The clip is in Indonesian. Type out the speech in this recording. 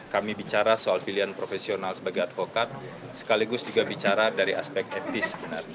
kami bicara soal pilihan profesional sebagai advokat sekaligus juga bicara dari aspek etis